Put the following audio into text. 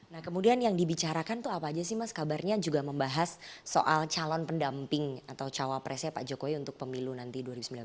nah kemudian yang dibicarakan tuh apa aja sih mas kabarnya juga membahas soal calon pendamping atau cawapresnya pak jokowi untuk pemilu nanti dua ribu sembilan belas